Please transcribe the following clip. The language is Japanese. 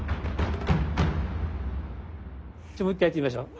じゃあもう一回やってみましょう。